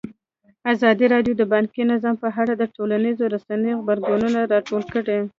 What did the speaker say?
ازادي راډیو د بانکي نظام په اړه د ټولنیزو رسنیو غبرګونونه راټول کړي.